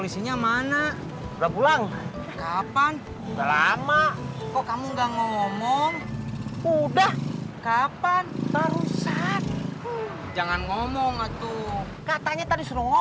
sampai jumpa di video selanjutnya